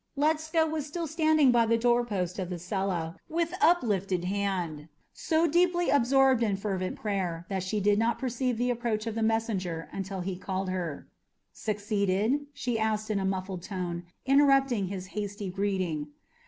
Ledscha was still standing by the doorpost of the cella with uplifted hand, so deeply absorbed in fervent prayer that she did not perceive the approach of the messenger until he called her. "Succeeded?" she asked in a muffled tone, interrupting his hasty greeting.